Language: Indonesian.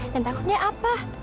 dan takutnya apa